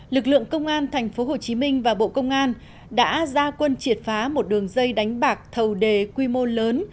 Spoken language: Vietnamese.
lực lượng công an tp hcm và bộ công an đã ra quân triệt phá một đường dây đánh bạc thầu đề quy mô lớn